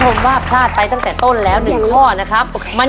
ยังเหลือเวลาทำไส้กรอกล่วงได้เยอะเลยลูก